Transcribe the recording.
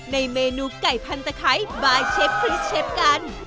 ในเมนูไก่พันตะไคร้บายเชฟคริสเชฟกัน